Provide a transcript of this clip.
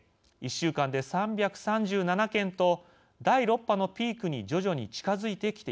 １週間で３３７件と第６波のピークに徐々に近づいてきています。